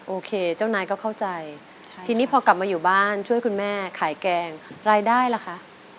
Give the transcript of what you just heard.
โอเคเจ้านายก็เข้าใจทีนี้พอกลับมาอยู่บ้านช่วยคุณแม่ขายแกงรายได้ล่ะคะ